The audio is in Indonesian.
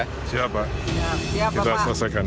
siap pak kita selesaikan